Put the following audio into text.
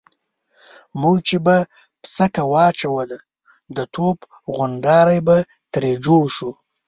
موږ چې به پسکه واچوله د توپ غونډاری به ترې جوړ شو.